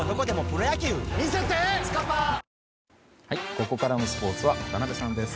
ここからのスポーツは渡辺さんです。